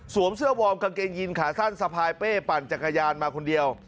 เสื้อวอร์มกางเกงยีนขาสั้นสะพายเป้ปั่นจักรยานมาคนเดียว